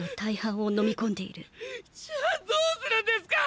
じゃあどうするんですか